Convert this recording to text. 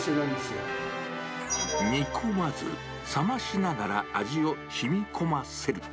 煮込まず、冷まししながら味をしみこませる。